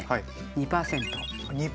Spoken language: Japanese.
２％。